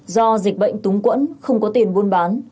do dịch bệnh túng quẫn không có tiền buôn bán